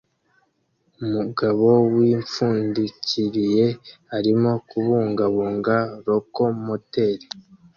Umugabo wipfundikiriye arimo kubungabunga lokomoteri